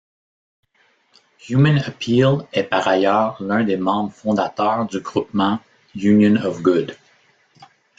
Human Appeal est par ailleurs l’un des membres fondateurs du groupement Union of Good.